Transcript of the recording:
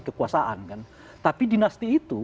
kekuasaan tapi dinasti itu